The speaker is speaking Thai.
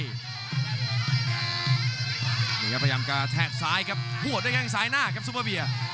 นี่ครับพยายามกระแทกซ้ายครับหัวด้วยแข้งซ้ายหน้าครับซุปเปอร์เบียร์